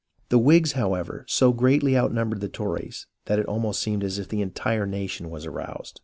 The Whigs, however, so greatly outnumbered the Tories, that it almost seemed as if the entire nation was aroused.